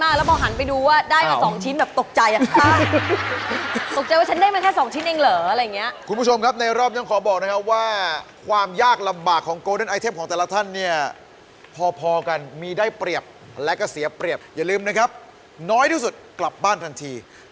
คนที่ทำกิโลทองได้น้อยที่สุดกลับบ้านทันที